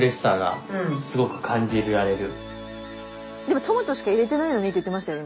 でもトマトしか入れてないのにって言ってましたよ